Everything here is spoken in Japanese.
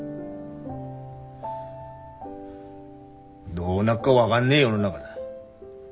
どうなっか分がんねえ世の中だ。